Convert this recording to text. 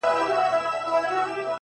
• سبا او بله ورځ به,